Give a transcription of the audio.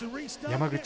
山口